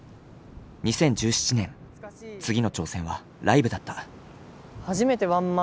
２０１７年次の挑戦はライブだった。